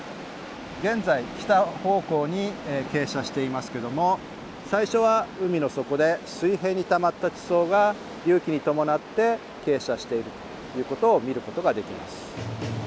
現在北方向に傾斜していますけども最初は海の底で水平にたまった地層が隆起にともなって傾斜しているということを見ることができます。